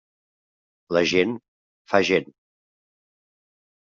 La gent fa gent.